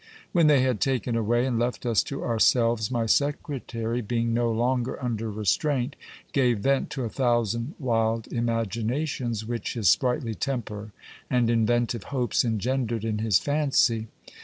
When they had taken away and left us to ourselves, my secretary being no longer under restraint, gave vent to a thousand wild imaginations which his sprightly temper and inventive hopes engendered in his fancy.